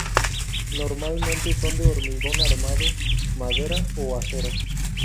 Normalmente son de hormigón armado, madera o acero.